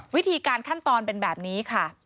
วิธีการขั้นตอนเป็นแบบนี้ค่ะ